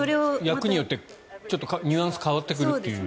訳によってニュアンスが変わってくるという。